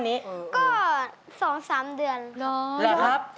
ที่พอจับกีต้าร์ปุ๊บ